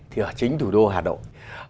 thì ở chính thủ đô hà nội